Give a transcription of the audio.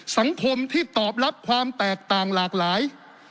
สังคมที่ตอบรับความแตกต่างหลากหลาย